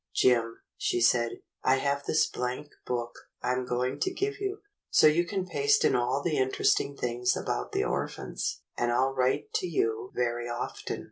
"Jim," she said, "I have this blank book I'm go ing to give you, so you can paste in all the interest ing things about the orphans, and I'll write to you very often."